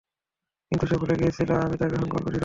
কিন্তু সে ভুলে গিয়েছিল, আমি তাকে সংকল্পে দৃঢ় পাইনি।